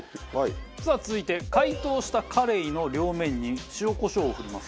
さあ続いて解凍したカレイの両面に塩コショウを振ります。